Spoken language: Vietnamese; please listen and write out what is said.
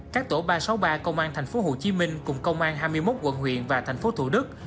các tổ ba trăm sáu mươi ba công an tp hcm cùng công an hai mươi một quận huyện và thành phố thủ đức